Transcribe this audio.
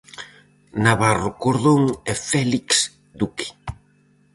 Navarro Cordón e Félix Duque.